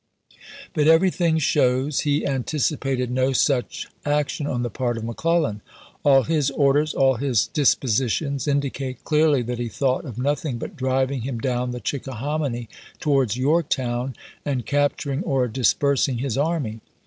But everything shows he anticipated no such action on the part of McClellan. All his orders, all his dispositions, indicate clearly that he thought of nothing but driving him down the Chickahominy towards Yorktown, and capturing or dispersing his army.